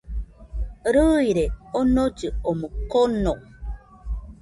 Rɨire onollɨ omɨ kono